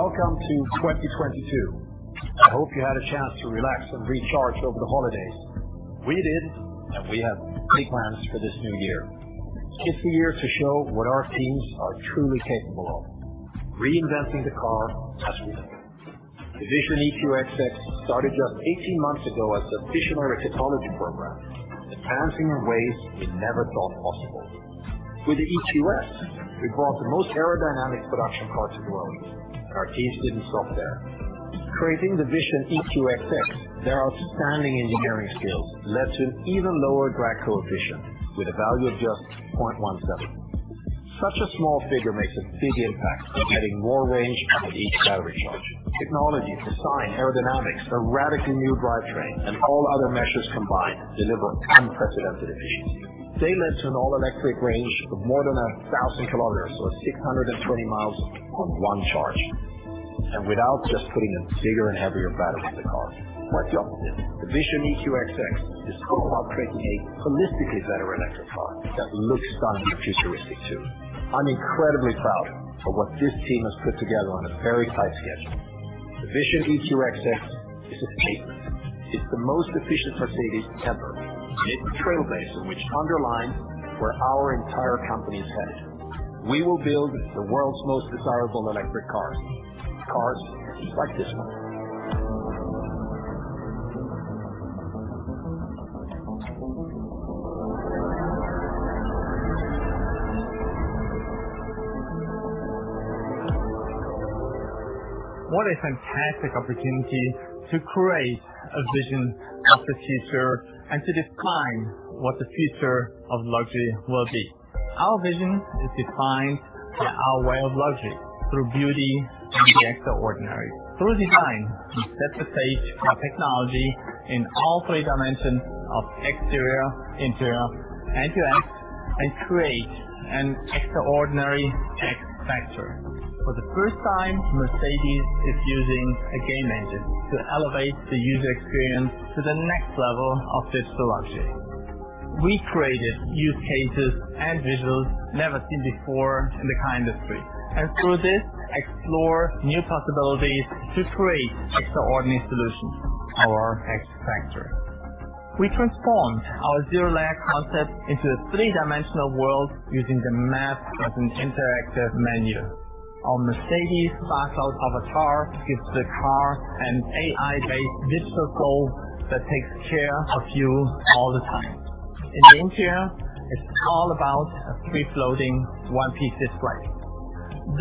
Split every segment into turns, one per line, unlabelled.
Welcome to 2022. I hope you had a chance to relax and recharge over the holidays. We did, and we have great plans for this new year. It's the year to show what our teams are truly capable of. Reinventing the car as we know it. The VISION EQXX started just 18 months ago as a visionary technology program, advancing in ways we never thought possible. With the EQS, we brought the most aerodynamic production car to the world. Our teams didn't stop there. Creating the VISION EQXX, their outstanding engineering skills led to an even lower drag coefficient with a value of just 0.17. Such a small figure makes a big impact, adding more range out of each battery charge. Technology, design, aerodynamics, the radically new drivetrain, and all other measures combined deliver unprecedented efficiency. They led to an all-electric range of more than 1,000 km or 620 mi on one charge, and without just putting a bigger and heavier battery in the car. Quite the opposite. The VISION EQXX is all about creating a holistically better electric car that looks stunning and futuristic too. I'm incredibly proud of what this team has put together on a very tight schedule. The VISION EQXX is a statement. It's the most efficient Mercedes ever, and it's a trailblazer which underlines where our entire company is headed. We will build the world's most desirable electric cars. Cars like this one.
What a fantastic opportunity to create a vision of the future and to define what the future of luxury will be. Our vision is defined by our way of luxury through beauty and the extraordinary. Through design, we set the stage for technology in all three dimensions of exterior, interior, and UX, and create an extraordinary X factor. For the first time, Mercedes-Benz is using a game engine to elevate the user experience to the next level of digital luxury. We created use cases and visuals never seen before in the car industry, and through this, explore new possibilities to create extraordinary solutions. Our X factor. We transformed our Zero Layer concept into a three-dimensional world using the map as an interactive menu. Our Mercedes-Benz Virtual Avatar gives the car an AI-based digital soul that takes care of you all the time. In the interior, it's all about a free-floating one-piece display.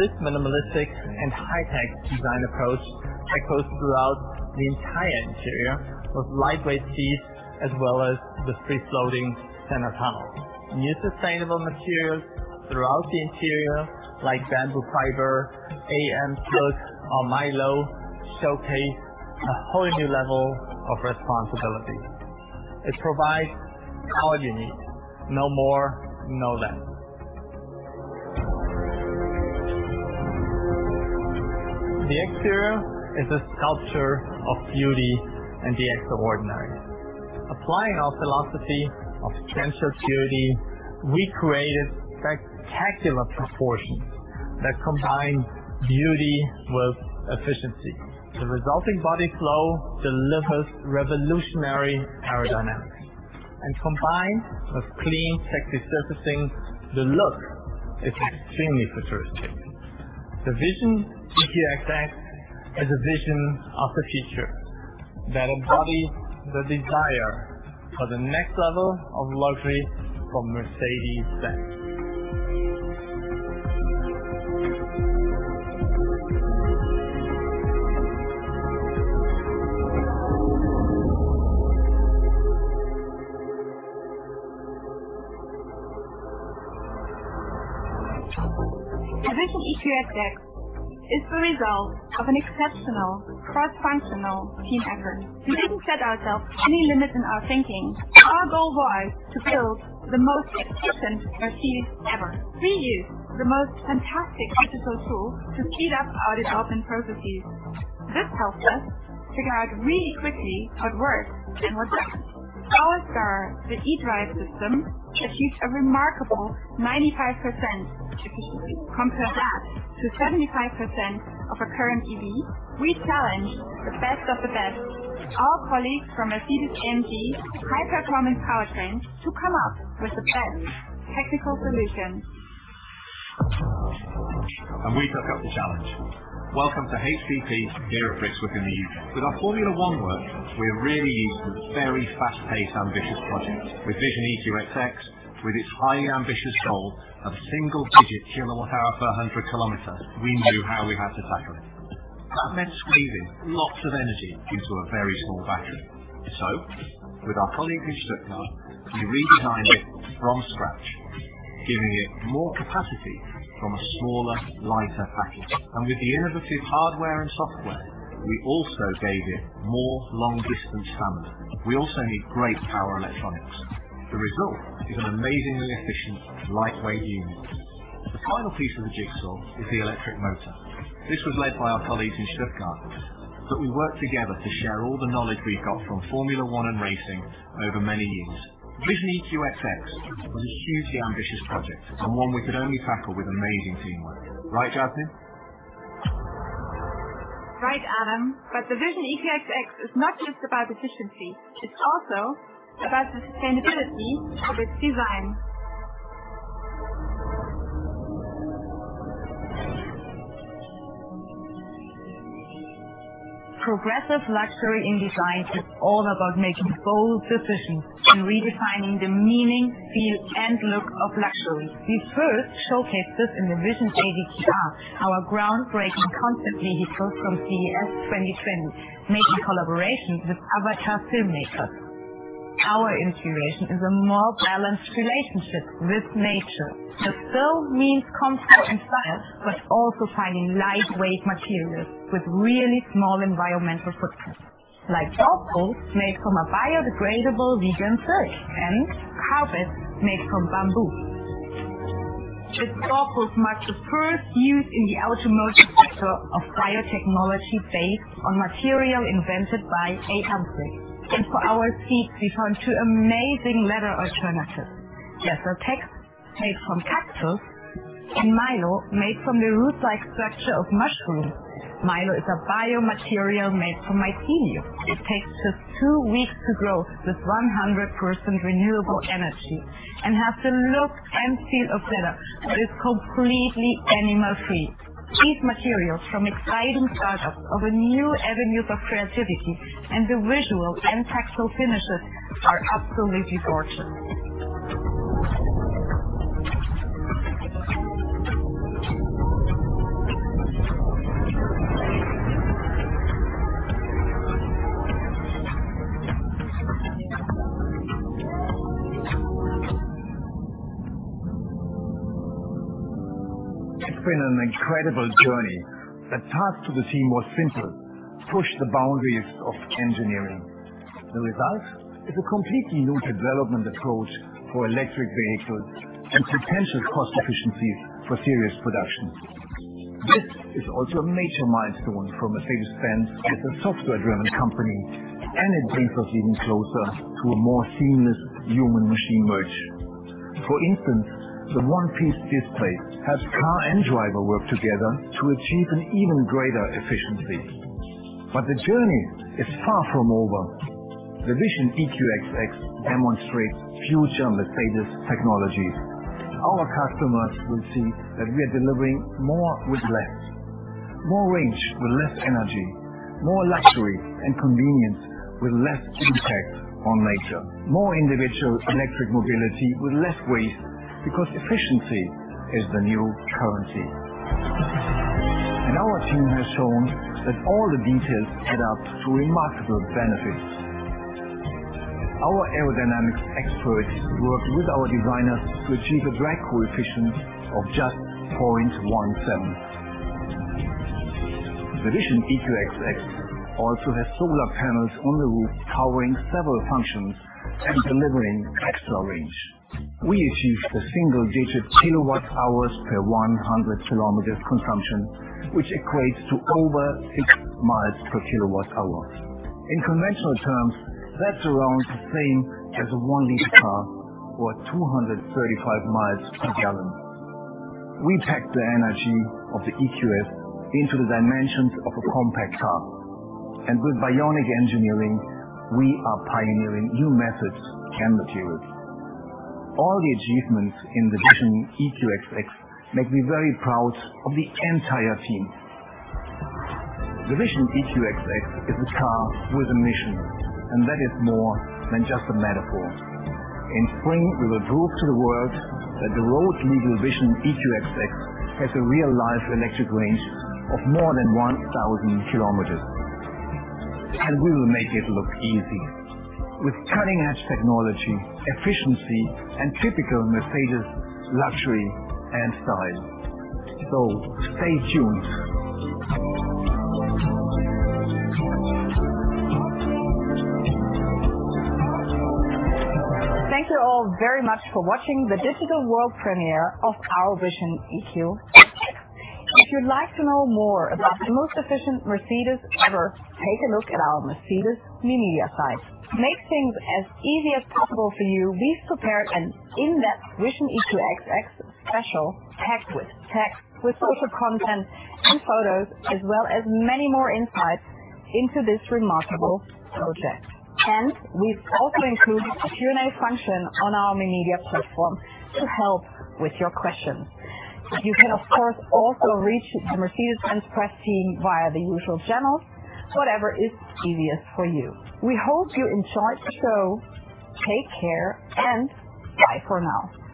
This minimalistic and high-tech design approach echoes throughout the entire interior with lightweight seats as well as the free-floating center tunnel. New sustainable materials throughout the interior, like bamboo fiber, AMSilk, or Mylo, showcase a whole new level of responsibility. It provides all you need. No more, no less. The exterior is a sculpture of beauty and the extraordinary. Applying our philosophy of Sensual Purity, we created spectacular proportions that combine beauty with efficiency. The resulting body flow delivers revolutionary aerodynamics. Combined with clean, sexy surfacing, the look is extremely futuristic. The VISION EQXX is a vision of the future that embodies the desire for the next level of luxury from Mercedes-Benz.
The VISION EQXX is the result of an exceptional cross-functional team effort. We didn't set ourselves any limits in our thinking. Our goal was to build the most efficient Mercedes ever. We used the most fantastic digital tools to speed up our development processes. This helps us figure out really quickly what works and what doesn't. Our star, the eDrive system, achieves a remarkable 95% efficiency. Compare that to 75% of a current EV. We challenge the best of the best, our colleagues from Mercedes-AMG High Performance Powertrains, to come up with the best technical solutions.
We took up the challenge. Welcome to HPP here at Brixworth in the U.K. With our Formula One work, we're really used to very fast-paced, ambitious projects. With VISION EQXX, with its highly ambitious goal of single-digit kWh per 100 km, we knew how we had to tackle it. That meant squeezing lots of energy into a very small battery. With our colleagues in Stuttgart, we redesigned it from scratch, giving it more capacity from a smaller, lighter package. With the innovative hardware and software, we also gave it more long-distance stamina. We also need great power electronics. The result is an amazingly efficient, lightweight unit. The final piece of the puzzle is the electric motor. This was led by our colleagues in Stuttgart, but we worked together to share all the knowledge we've got from Formula One and racing over many years. VISION EQXX was a hugely ambitious project, and one we could only tackle with amazing teamwork.
Right, Adam, the VISION EQXX is not just about efficiency. It's also about the sustainability of its design. Progressive luxury in design is all about making bold decisions and redefining the meaning, feel, and look of luxury. We first showcased this in the VISION AVTR, our groundbreaking concept vehicle from CES 2020, made in collaboration with Avatar filmmakers. Our inspiration is a more balanced relationship with nature. This still means comfort and style, while also focusing on lightweight materials with a very small environmental footprint. Like door pulls made from a biodegradable vegan silk and carpets made from bamboo. These door pulls mark the first use in the automotive sector of biotechnology based on material invented by AMSilk. For our seats, we turned to amazing leather alternatives. Deserttex made from cactus, and Mylo made from the root-like structure of mushrooms. Mylo is a biomaterial made from mycelium. It takes just two weeks to grow using 100% renewable energy and has the look and feel of leather, but is completely animal-free. These materials from exciting startups open new avenues of creativity, and the visual and tactile finishes are highly refined.
It's been an incredible journey. The task to the team was simple. Push the boundaries of engineering. The result is a completely new development approach for electric vehicles and potential cost efficiency for series production. This is also a major milestone for Mercedes-Benz as a software-driven company, and it brings us even closer to a more seamless human-machine integration. For instance, the one-piece display helps car and driver work together to achieve an even greater efficiency. The journey is far from over. The VISION EQXX demonstrates future Mercedes technologies. Our customers will see that we are delivering more with less, more range with less energy, more luxury and convenience with less impact on nature, more individual electric mobility with less waste, because efficiency is the new currency. Our team has shown that all the details add up to remarkable benefits. Our aerodynamics experts worked with our designers to achieve a drag coefficient of just 0.17. The VISION EQXX also has solar panels on the roof, powering several functions and delivering extra range. We achieved a single-digit kWh per 100 km consumption, which equates to over 6 miles per kWh. In conventional terms, that's around the same as a 1-liter car or 235 miles per gallon. We packed the energy of the EQS into the dimensions of a compact car. With bionic engineering, we are pioneering new methods and materials. All the achievements in the VISION EQXX make me very proud of the entire team. The VISION EQXX is a car with a mission, and that is more than just a metaphor. In spring, we will prove to the world that the road-legal VISION EQXX has a real-life electric range of more than 1000 km. We will make it look easy with cutting-edge technology, efficiency, and typical Mercedes luxury and style. Stay tuned.
Thank you all very much for watching the digital world premiere of our VISION EQXX. If you'd like to know more about the most efficient Mercedes ever, take a look at our Mercedes me media site. To make things as easy as possible for you, we've prepared an in-depth VISION EQXX special packed with text, social content, photos, and additional insights into this remarkable project. We've also included a Q&A function on our Mercedes me media platform to help with your questions. You can, of course, also reach the Mercedes-Benz press team via the usual channels. Whatever is easiest for you. We hope you enjoyed the show. Take care, and bye for now.